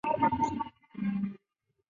该寺正式恢复为宗教活动场所。